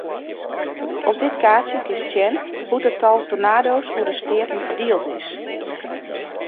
Op dit kaartsje kinst sjen hoe't it tal tornado's oer de steaten ferdield is.